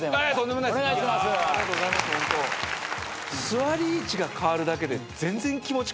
座り位置が変わるだけで。